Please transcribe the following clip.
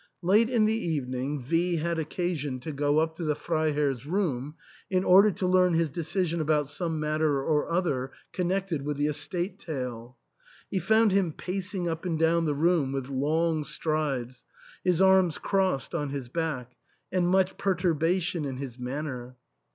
Late in the evening V had occasion to go up to the Freiherr's room in order to learn his decision about some matter or other connected with the estate tail. He found him pacing up and down the room with long strides, his arms crossed on his back, and much perturbation in his manner.